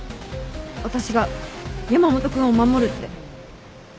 私が山本君を守るって。